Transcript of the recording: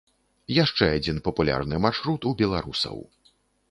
Яшчэ адзін папулярны маршрут у беларусаў.